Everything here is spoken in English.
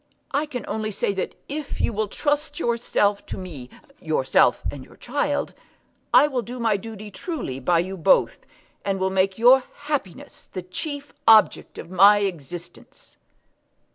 I can only say that if you will trust yourself to me, yourself and your child, I will do my duty truly by you both, and will make your happiness the chief object of my existence."